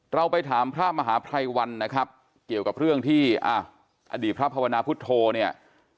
เราไปถามพระมหาภัยวันนะครับเกี่ยวกับเรื่องที่อ่ะอดีตพระภาวนาพุทธโธเนี่ย